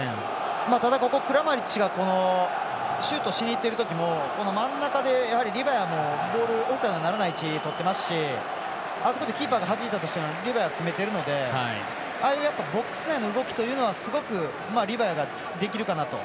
ただ、クラマリッチがシュートをしにいってるときも真ん中でリバヤもボールオフサイドにならない位置をとってますしキーパーがはじいたとしてもリバヤが詰めているのでああいうボックス内の動きというのはリバヤができるかなと。